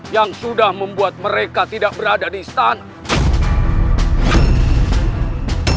yang sudah membuat mereka tidak berada di istana